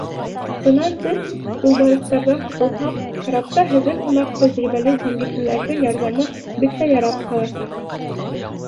Бынан тыш, юлбаҫарҙарҙан ҡотолһаҡ, карапта һеҙҙең һымаҡ тәжрибәле диңгеҙсенең ярҙамы бик тә ярап ҡаласаҡ.